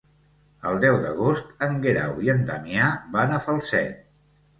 El deu d'agost en Guerau i en Damià van a Falset.